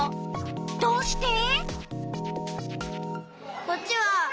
どうして？